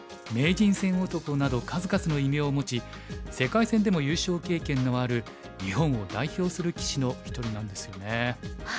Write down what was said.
「名人戦男」など数々の異名を持ち世界戦でも優勝経験のある日本を代表する棋士の一人なんですよね。